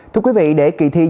thưa quý vị để kỳ thi dự báo